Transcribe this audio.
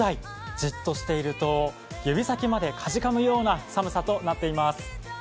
じっとしていると指先までかじかむよな寒さとなっています。